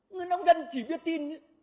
người nông dân chỉ biết tin